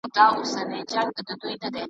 بېګانه له خپله ښاره، له خپل کلي پردو خلکو! .